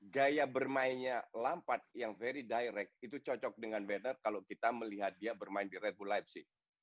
gaya bermainnya lampard yang very direct itu cocok dengan werner kalo kita melihat dia bermain di red bull leipzig